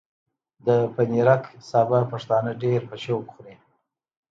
د پنېرک سابه پښتانه ډېر په شوق خوري۔